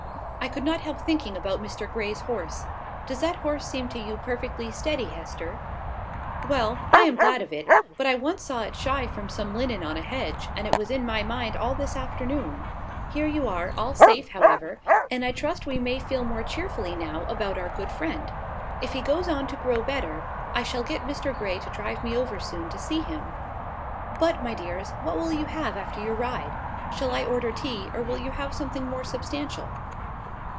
I could not help thinking about Mr Grey's horse. Does that horse seem to you perfectly steady, Hester? Well, I am glad of it: but I once saw it shy from some linen on a hedge, and it was in my mind all this afternoon. Here you are, all safe, however: and I trust we may feel more cheerfully now about our good friend. If he goes on to grow better, I shall get Mr Grey to drive me over soon to see him. But, my dears, what will you have after your ride? Shall I order tea, or will you have something more substantial?"